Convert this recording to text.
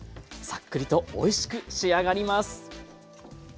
さっくりとおいしく仕上がります。